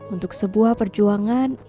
untuk sebuah perjuangan